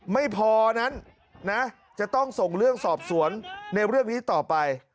ไม่พอนั้นนะจะต้องส่งเรื่องสอบสวนในเรื่องนี้ต่อไป